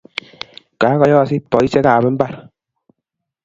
Kokoyoosit boiseikab mbar.